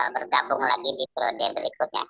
bergabung lagi di periode berikutnya